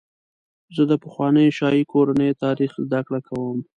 زه د پخوانیو شاهي کورنیو تاریخ زدهکړه کوم.